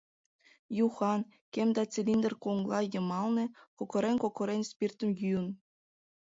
Юхан, кем да цилиндр коҥла йымалне, кокырен-кокырен, спиртым йӱын.